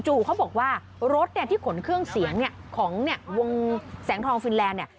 เขาบอกว่ารถเนี่ยที่ขนเครื่องเสียงเนี่ยของเนี่ยวงแสงทองฟินแลนด์เนี่ย